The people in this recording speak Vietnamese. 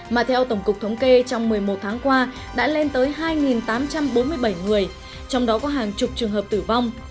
mà theo tổng cục thống kê trong một mươi một tháng qua đã lên tới hai tám trăm bốn mươi bảy người trong đó có hàng chục trường hợp tử vong